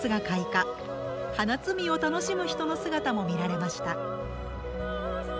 花摘みを楽しむ人の姿も見られました。